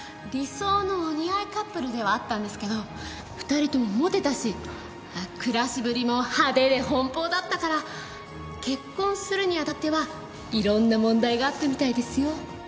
理想のお似合いカップルではあったんですけど２人ともモテたし暮らしぶりも派手で奔放だったから結婚するにあたってはいろんな問題があったみたいですよ。